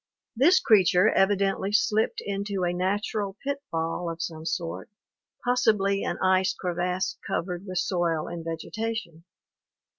This creature evidently slipped into a natural pitfall of some sort, possibly an ice crevasse covered with soil and vegetation.